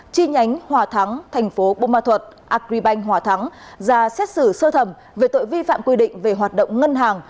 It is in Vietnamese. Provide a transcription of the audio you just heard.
chi nhánh hòa thắng thành phố bô ma thuật agribank hòa thắng ra xét xử sơ thẩm về tội vi phạm quy định về hoạt động ngân hàng